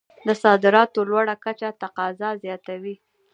د صادراتو لوړه کچه تقاضا زیاتوي.